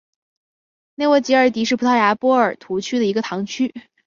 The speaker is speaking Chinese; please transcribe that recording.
内沃吉尔迪是葡萄牙波尔图区的一个堂区。